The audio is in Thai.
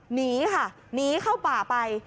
หนีค่ะหนีเข้าป่าไป